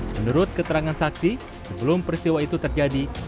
menurut keterangan saksi sebelum peristiwa itu terjadi